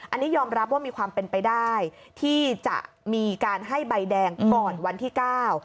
อันนี้ยอมรับว่ามีความเป็นไปได้ที่จะมีการให้ใบแดงก่อนวันที่เก้า